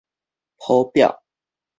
譜表